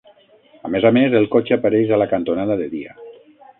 A més a més, el cotxe apareix a la cantonada de dia.